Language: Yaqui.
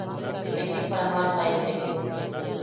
Tekipanoataitek.